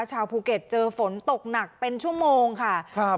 ชาวภูเก็ตเจอฝนตกหนักเป็นชั่วโมงค่ะครับ